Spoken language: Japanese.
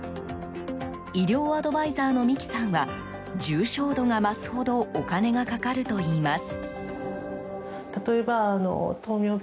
医療アドバイザーの御喜さんは重症度が増すほどお金がかかるといいます。